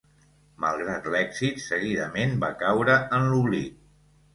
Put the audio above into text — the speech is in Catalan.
Malgrat l'èxit, seguidament va caure en l'oblit.